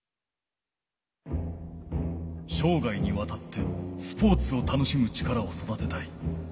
しょうがいにわたってスポーツを楽しむ力を育てたい。